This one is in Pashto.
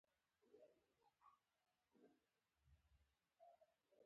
د حملې په منظور له پایتخت څخه حرکت وکړي.